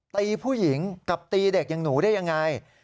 ตีผู้หญิงกับตีเด็กอย่างหนูได้ยังไง